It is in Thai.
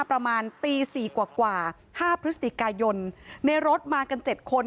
ประมาณตีสี่กว่ากว่าห้าพฤษฎิกายนในรถมากันเจ็ดคน